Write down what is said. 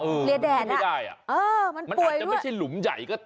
เออมันขึ้นไม่ได้อ่ะเออมันป่วยด้วยมันอาจจะไม่ใช่หลุมใหญ่ก็